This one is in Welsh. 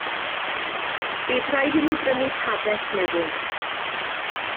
Bydd rhaid i ni brynu pabell newydd.